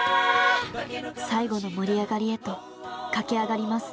最後の盛り上がりへと駆け上がります。